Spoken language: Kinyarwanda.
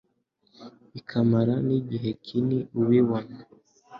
bikamara n'igihe kini ubibona